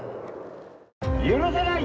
許せない！